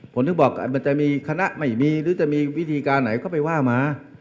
ผมถึงบอกมันจะมีคณะไม่มีหรือจะมีวิธีการไหนก็ไปว่ามา